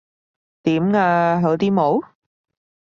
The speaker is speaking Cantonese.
點呀？好啲冇？